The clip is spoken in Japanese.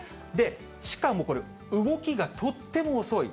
しかもこれ、動きがとっても遅い。